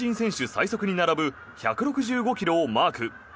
最速に並ぶ１６５ｋｍをマーク。